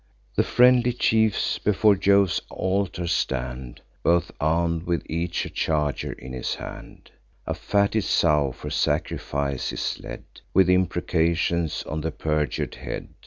The friendly chiefs before Jove's altar stand, Both arm'd, with each a charger in his hand: A fatted sow for sacrifice is led, With imprecations on the perjur'd head.